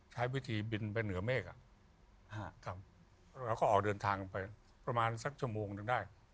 แล้วก็ออกเดินทางไปประมาณสักชั่วโมงนึงได้